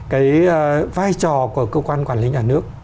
cái vai trò của cơ quan quản lý nhà nước